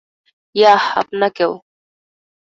Yeah, আপনাকেও।